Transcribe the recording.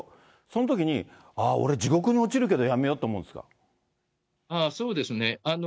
そのときに、ああ、俺、地獄に落ちるけど、やめようと思うんですああ、そうですね。